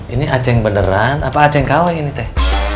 ini acing beneran apa acing kawai ini teh